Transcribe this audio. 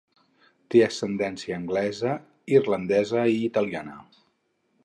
Té ascendència anglesa, irlandesa i italiana.